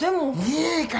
いいから。